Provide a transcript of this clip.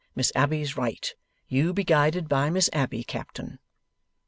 Miss Abbey's right; you be guided by Miss Abbey, Captain.